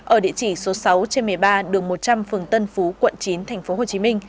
ở địa chỉ số sáu trên một mươi ba đường một trăm linh phường tân phú quận chín tp hcm